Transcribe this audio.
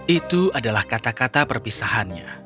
itu adalah kata kata perpisahannya